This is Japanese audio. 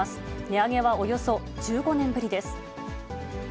値上げはおよそ１５年ぶりです。